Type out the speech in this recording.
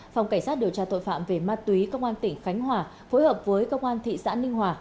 phòng cảnh sát điều tra tội phạm về ma túy công an tỉnh khánh hòa phối hợp với công an thị xã ninh hòa